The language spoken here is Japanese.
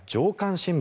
新聞